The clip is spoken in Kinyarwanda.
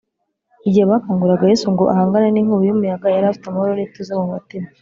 igihe bakanguraga yesu ngo ahangane n’inkubi y’umuyaga, yari afite amahoro n’ituze mu mutima